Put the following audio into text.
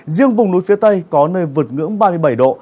riêng vùng núi phía tây có nơi vượt ngưỡng ba mươi bảy độ